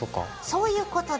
そういうことだ。